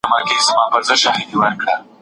که ته وغواړې نو موږ به کلي ته لاړ شو.